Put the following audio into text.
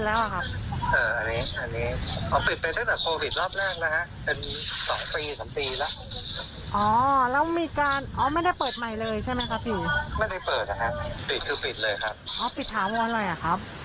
อ๋อแล้วตอนนี้ก็คือเปลี่ยนเป็นบ้านหรือครับพี่หรือว่ายังไงครับ